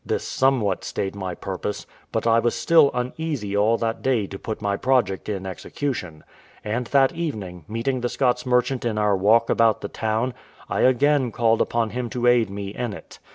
This somewhat stayed my purpose, but I was still uneasy all that day to put my project in execution; and that evening, meeting the Scots merchant in our walk about the town, I again called upon him to aid me in it.